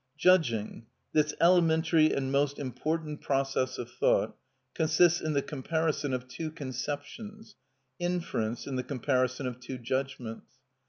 Judging, this elementary and most important process of thought, consists in the comparison of two conceptions; inference in the comparison of two judgments.